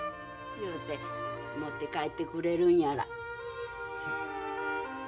言うて持って帰ってくれるんやら。